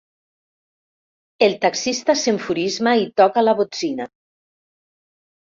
El taxista s'enfurisma i toca la botzina.